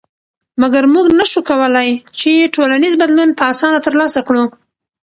مګر موږ نشو کولی چې ټولنیز بدلون په اسانه تر لاسه کړو.